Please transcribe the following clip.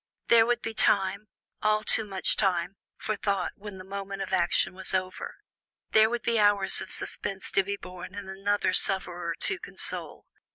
There would be time all too much time for thought when the moment of action was over; there would be hours of suspense to be borne and another sufferer to console.